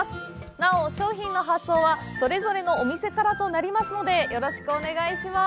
なお、商品の発送はそれぞれのお店からとなりますので、よろしくお願いします。